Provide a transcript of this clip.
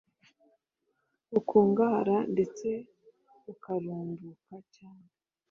bukunguhara ndetse bukarumbuka cyane